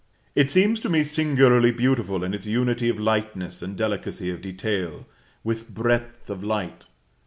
It seems to me singularly beautiful in its unity of lightness, and delicacy of detail, with breadth of light.